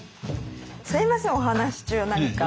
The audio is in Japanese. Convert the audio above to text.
すいませんお話し中何か。